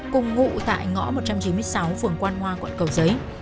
cùng ngụ tại ngõ một trăm chín mươi sáu phường quan hoa quận cầu giấy